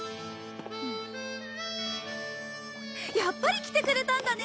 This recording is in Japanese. やっぱり来てくれたんだね！